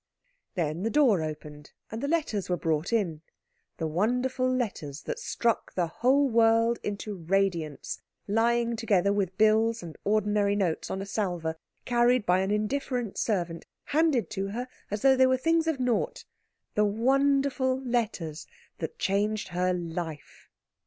Then the door opened, and the letters were brought in the wonderful letters that struck the whole world into radiance lying together with bills and ordinary notes on a salver, carried by an indifferent servant, handed to her as though they were things of naught the wonderful letters that changed her life.